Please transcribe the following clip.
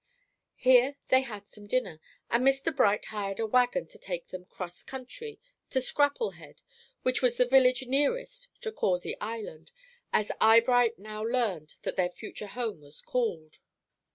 Here they had some dinner, and Mr. Bright hired a wagon to take them "'cross country" to Scrapplehead, which was the village nearest to "Causey Island," as Eyebright now learned that their future home was called.